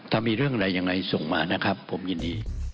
ถ้ามีเรื่องอะไรยังไงส่งมานะครับผมยินดี